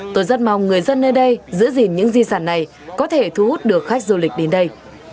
tôi rất mong người dân nơi đây giữ gìn những di sản này có thể thu hút được khách du lịch đến đây